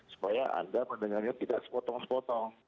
supaya anda mendengarnya tidak sepotong sepotong